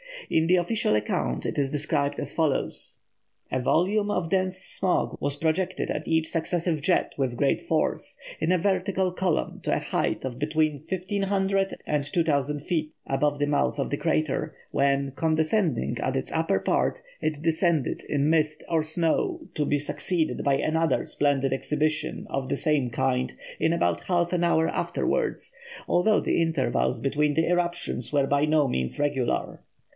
In the official account it is described as follows: "A volume of dense smoke was projected at each successive jet with great force, in a vertical column to a height of between 1500 and 2000 feet above the mouth of the crater, when, condensing at its upper part, it descended in mist or snow, to be succeeded by another splendid exhibition of the same kind in about half an hour afterwards, although the intervals between the eruptions were by no means regular.